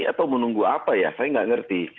atau menunggu apa ya saya nggak ngerti